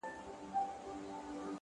د فکر پاکوالی ژوند بدلوي!